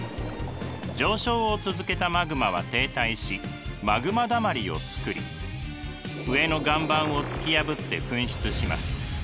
上昇を続けたマグマは停滞しマグマ溜まりをつくり上の岩盤を突き破って噴出します。